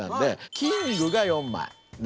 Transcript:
キングが４枚。